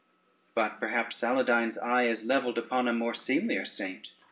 But perhaps Saladyne's eye is levelled upon a more seemlier saint.